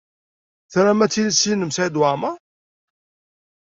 Tram ad tessnem Saɛid Waɛmaṛ?